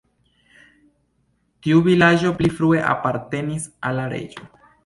Tiu vilaĝo pli frue apartenis al la reĝo.